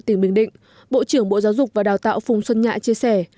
tỉnh bình định bộ trưởng bộ giáo dục và đào tạo phùng xuân nhạ chia sẻ